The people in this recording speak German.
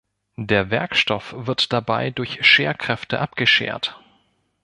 Der Werkstoff wird dabei durch Scherkräfte abgeschert.